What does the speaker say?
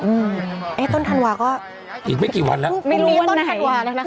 อืมเอ๊ะต้นธันวาก็อีกไม่กี่วันแล้วไม่รู้ว่าต้นธันวาแล้วนะคะ